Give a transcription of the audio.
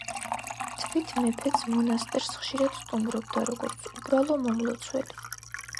თვით მეფეც, მონასტერს ხშირად სტუმრობდა როგორც უბრალო მომლოცველი.